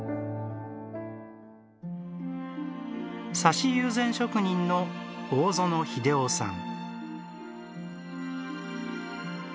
挿し友禅職人の大薗英雄さん。